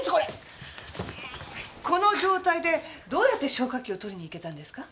この状態でどうやって消火器を取りに行けたんですか？